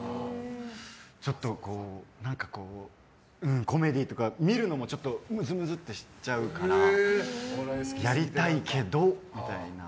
ちょっとコメディーとかは見るのもムズムズってしちゃうからやりたいけどみたいな。